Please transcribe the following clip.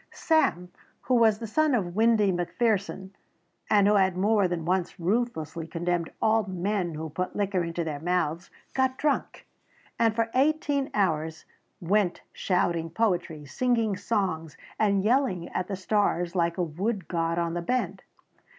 Sam, who was the son of Windy McPherson and who had more than once ruthlessly condemned all men who put liquor into their mouths, got drunk, and for eighteen hours went shouting poetry, singing songs, and yelling at the stars like a wood god on the bend.